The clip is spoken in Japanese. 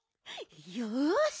よし！